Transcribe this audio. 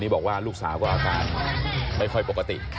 บอกว่าลูกสาวก็อาการไม่ค่อยปกติ